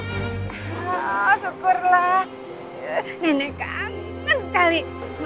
oh syukurlah nenek kan sekali